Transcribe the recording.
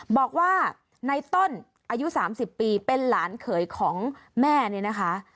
บอกว่าในต้นอายุ๓๐ปีเป็นหลานเขยของแม่เนี่ยนะคะ